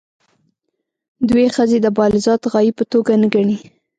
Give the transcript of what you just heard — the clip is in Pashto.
دوی ښځې د بالذات غایې په توګه نه ګڼي.